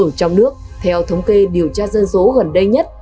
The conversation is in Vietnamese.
ở trong nước theo thống kê điều tra dân số gần đây nhất